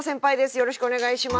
よろしくお願いします。